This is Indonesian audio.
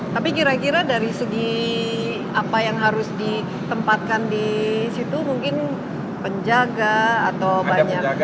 tapi kira kira dari segi apa yang harus ditempatkan di situ mungkin penjaga atau banyak